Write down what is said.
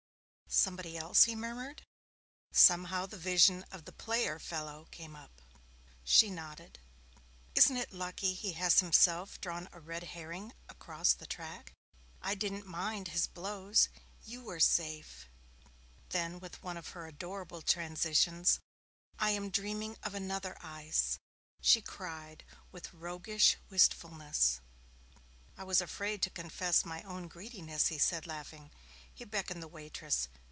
'Somebody else?' he murmured. Somehow the vision of the player fellow came up. She nodded. 'Isn't it lucky he has himself drawn a red herring across the track? I didn't mind his blows you were safe!' Then, with one of her adorable transitions, 'I am dreaming of another ice,' she cried with roguish wistfulness. 'I was afraid to confess my own greediness,' he said, laughing. He beckoned the waitress.